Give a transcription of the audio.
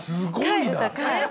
すごいな。